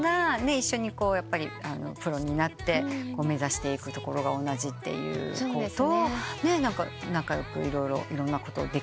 一緒にプロになって目指していくところが同じ子と仲良く色々いろんなことできるなんて。